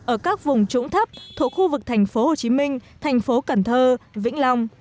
ở các vùng trũng thấp thuộc khu vực thành phố hồ chí minh thành phố cần thơ vĩnh long